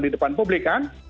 di depan publik kan